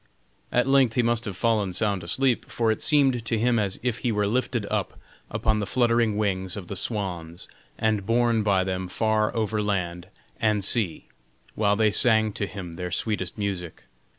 At length he must have fallen sound asleep, for it seemed to him as if he were lifted up upon the fluttering wings of the swans and borne by them far over land and sea, while they sang to him their sweetest music.